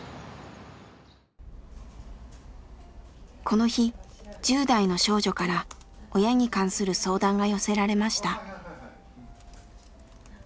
この日１０代の少女から親に関する相談が寄せられました。